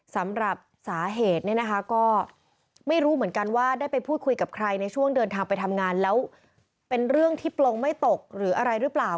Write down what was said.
สำหรับสาเหตุเนี่ยนะคะก็ไม่รู้เหมือนกันว่าได้ไปพูดคุยกับใครในช่วงเดินทางไปทำงานแล้วเป็นเรื่องที่ปลงไม่ตกหรืออะไรหรือเปล่า